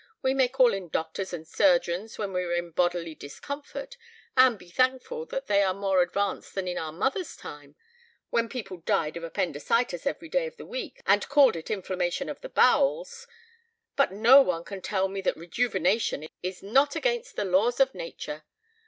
We may call in doctors and surgeons when we are in bodily discomfort, and be thankful that they are more advanced than in our mothers' time, when people died of appendicitis every day in the week and called it inflammation of the bowels. But no one can tell me that rejuvenation is not against the laws of nature.